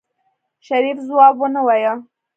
شريف ځواب ونه وايه.